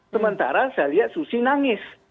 sementara saya lihat susi nangis